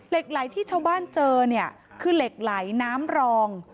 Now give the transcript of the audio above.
เหล็กไหลที่ชาวบ้านเจอเนี่ยคือเหล็กไหลน้ำรอง